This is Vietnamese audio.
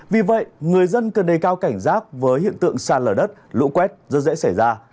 vì vậy người dân cần đề cao cảnh giác với hiện tượng xa lở đất lũ quét rất dễ xảy ra